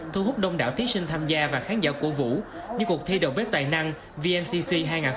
thu hút đông đảo thí sinh tham gia và khán giả cổ vũ như cuộc thi đầu bếp tài năng vncc hai nghìn hai mươi